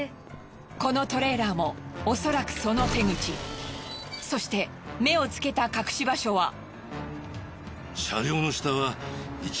このトレーラーもおそらくその手口。そして目をつけた隠し場所は。